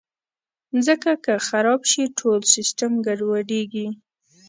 مځکه که خراب شي، ټول سیسټم ګډوډېږي.